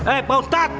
eh pak ustad